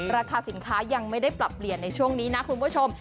ราคาสินค้ายังไม่ได้ปรับเปลี่ยนในช่วงนี้นะคุณผู้ชม